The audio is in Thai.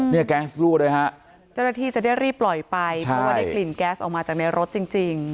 แก๊สรั่วเลยฮะเจ้าหน้าที่จะได้รีบปล่อยไปเพราะว่าได้กลิ่นแก๊สออกมาจากในรถจริงจริง